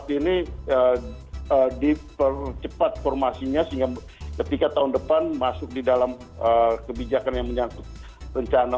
tiga puluh empat sembilan ratus lima puluh empat ini dipercepat formasinya sehingga ketika tahun depan masuk di dalam kebijakan yang menyangkut rencana